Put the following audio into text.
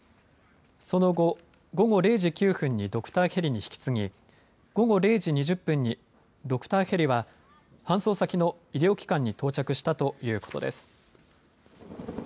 その後、午後０時９分にドクターヘリに引き継ぎ午後０時２０分にドクターヘリは搬送先の医療機関に到着したということです。